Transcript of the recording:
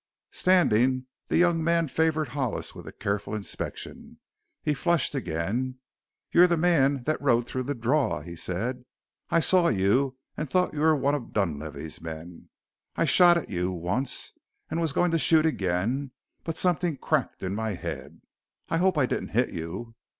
Standing, the young man favored Hollis with a careful inspection. He flushed again. "You're the man that rode through the draw," he said. "I saw you and thought you were one of Dunlavey's men. I shot at you once, and was going to shoot again, but something cracked in my head. I hope I didn't hit you."